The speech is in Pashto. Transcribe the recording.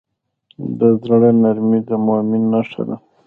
د زړه نرمي د مؤمن نښه ده.